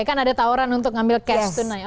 kan ada tawaran untuk ngambil cash tunai